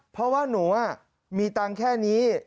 เพราะว่าหนูมีตังค์แค่นี้